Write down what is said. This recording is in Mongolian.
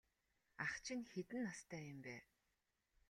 Ах чинь хэдэн настай юм бэ?